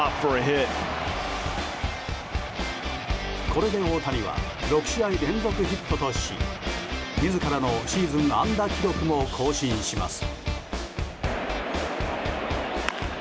これで大谷は６試合連続ヒットとし自らのシーズン安打記録も更新します。